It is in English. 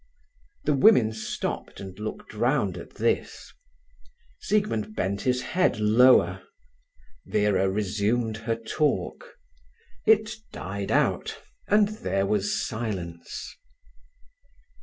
The women stopped and looked round at this. Siegmund bent his head lower. Vera resumed her talk. It died out, and there was silence.